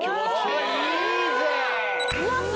あいいぜ！